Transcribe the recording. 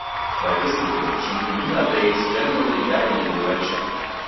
By this definition, lunar days generally vary in duration.